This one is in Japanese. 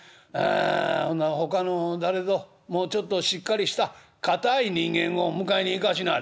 あほなほかの誰ぞもうちょっとしっかりした堅い人間を迎えに行かしなはれ」。